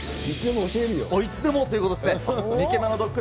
いつでもということですね。